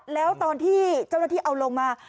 แล้วตอนที่เจ้าหน้าที่เอาลงมา